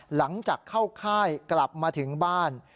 หลังจากเข้าค่ายกลับมาถึงบ้าน